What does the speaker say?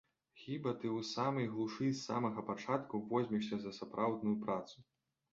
Хіба ты ў самай глушы з самага пачатку возьмешся за сапраўдную працу.